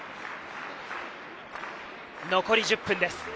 残り１０分です。